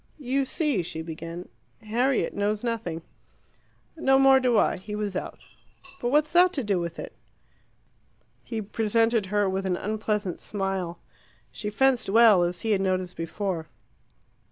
"You see," she began, "Harriet knows nothing." "No more do I. He was out." "But what's that to do with it?" He presented her with an unpleasant smile. She fenced well, as he had noticed before.